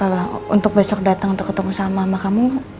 aku besok besok datang untuk ketemu sama mama kamu